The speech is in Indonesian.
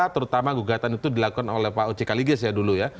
terutama gugatan itu dilakukan oleh pak ocik aligis dulu ya